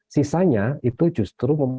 sisanya itu justru membuat